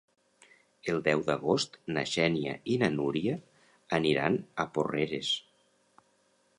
El deu d'agost na Xènia i na Núria aniran a Porreres.